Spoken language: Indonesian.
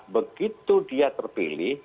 begitu dia terpilih